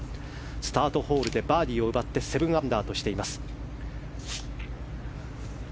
スタートホールでバーディーを奪って７アンダーとしています。